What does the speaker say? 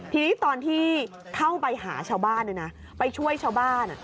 ทีนี้ตอนที่เข้าไปหาชาวบ้านไปช่วยชาวบ้าน